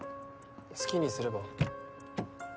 好きにすれば。